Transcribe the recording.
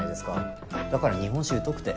だから日本史疎くて。